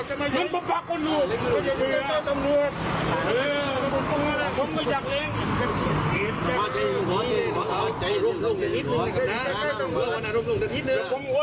จากนั้นขี่รถจักรยานยนต์จากไปค่ะไปดูคลิปภาพเหตุการณ์นี้กันก่อนเลยค่ะ